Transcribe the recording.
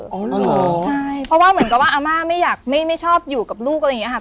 อ๋อเหรอใช่เพราะว่าเหมือนกับว่าอาม่าไม่อยากไม่ชอบอยู่กับลูกอะไรอย่างนี้ค่ะ